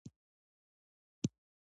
د مثال په توګه د